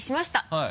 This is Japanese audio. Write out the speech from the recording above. はい。